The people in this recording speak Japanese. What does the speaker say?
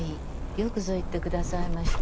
よくぞ言って下さいました。